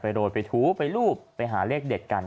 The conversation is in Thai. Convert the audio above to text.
โรยไปถูไปรูปไปหาเลขเด็ดกัน